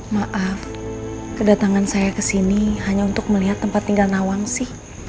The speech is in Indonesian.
maaf kedatangan saya kesini hanya untuk melihat tempat tinggal nawangsi